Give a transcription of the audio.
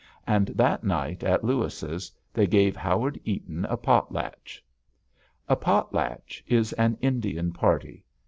And that night at Lewis's they gave Howard Eaton a potlatch. A potlatch is an Indian party.